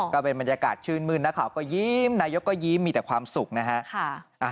ก็เป็นบรรยากาศชื่นมื้นนักข่าวก็ยิ้มนายกก็ยิ้มมีแต่ความสุขนะฮะ